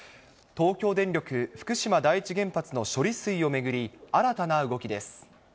東京電力福島第一原発の処理水を巡り、新たな動きです。